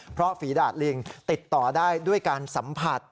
เพราะฝีดาดลิงติดต่อได้ด้วยการสัมผัส